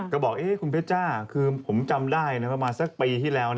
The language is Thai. ก็บอกคุณเพชจ้าคือผมจำได้ประมาณสักปีที่แล้ว